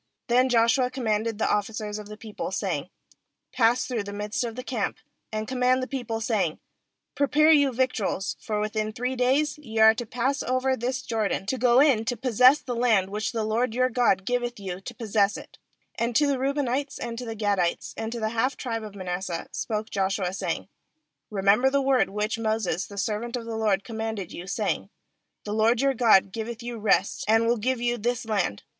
10Then Joshua commanded the officers of the people, saying: u'Pass through the midst of the camp, and command the people, saying: Prepare you victuals; for within three days ye are to pass over this Jordan, to'go in to possess the land, which the LORD your God giveth you to possess it/ ^And to the Reubenites, and to the Gadites, and to the half tribe of Manasseh, spoke Joshua, saying: 13' Remember the word which Moses the servant of the LORD commanded you, saying: The LORD your God giveth you rest, and will give you this land.